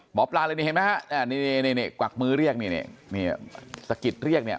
หมอปลาเลยนี่เห็นไหมฮะนี่กวักมือเรียกนี่สะกิดเรียกเนี่ย